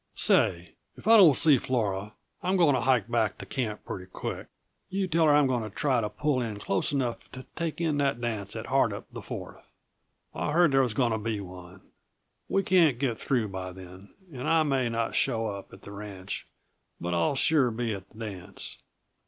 Say, if I don't see Flora I'm going to hike back to camp pretty quick you tell her I'm going to try and pull in close enough to take in that dance at Hardup, the Fourth. I heard there was going to be one. We can't get through by then, and I may not show up at the ranch, but I'll sure be at the dance.